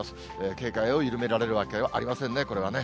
警戒を緩められるわけがありませんね、これはね。